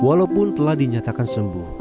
walaupun telah dinyatakan sembuh